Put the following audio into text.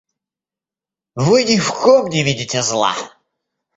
Вы ни в ком не видите зла!